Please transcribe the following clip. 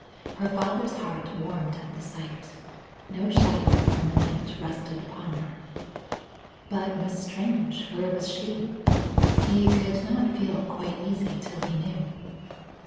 Her father's heart warmed at the sight. No shadow from the night rested upon her. But Miss Strange! where was she? He could not feel quite easy till he knew.